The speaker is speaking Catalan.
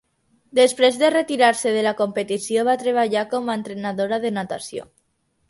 Després de retirar-se de la competició va treballar com a entrenadora de natació.